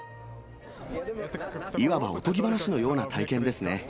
いわばおとぎ話のような体験